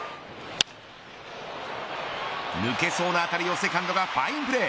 抜けそうな当たりをセカンドがファインプレー。